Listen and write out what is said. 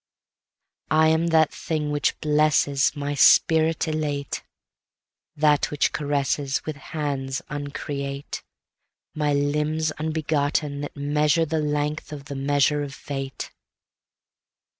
I am that thing which blessesMy spirit elate; That which caressesWith hands uncreateMy limbs unbegotten that measure the length of the measure of fate.